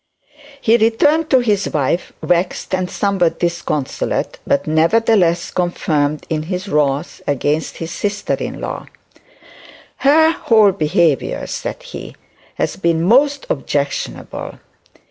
He returned to his wife vexed and somewhat disconsolate, but, nevertheless, confirmed in his wrath against his sister in law. 'Her whole behaviour,' said he, 'has been most objectionable.